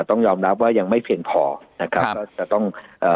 ต้องยอมรับว่ายังไม่เพียงพอนะครับก็จะต้องเอ่อ